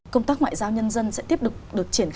công tác ngoại giao nhân dân sẽ tiếp tục được triển khai